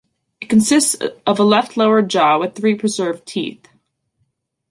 It consists of a left lower jaw with three preserved teeth.